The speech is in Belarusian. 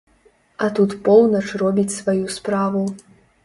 А тут поўнач робіць сваю справу.